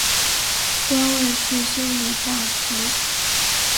官位是修理大夫。